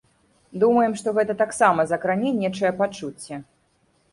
Думаем, што гэта таксама закране нечыя пачуцці.